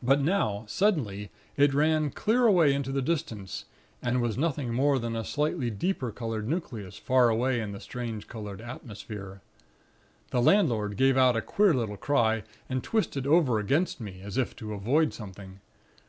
But now, suddenly, it ran clear away into the distance, and was nothing more than a slightly deeper colored nucleus far away in the strange colored atmosphere. "The landlord gave out a queer little cry, and twisted over against me, as if to avoid something.